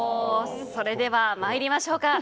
それでは、参りましょう。